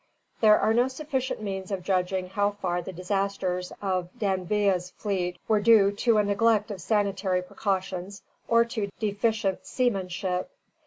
_] There are no sufficient means of judging how far the disasters of D'Anville's fleet were due to a neglect of sanitary precautions or to deficient seamanship.